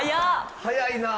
早いな！